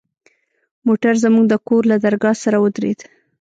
موټر زموږ د کور له درگاه سره ودرېد.